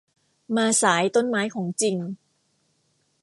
มาสายต้นไม้ของจริง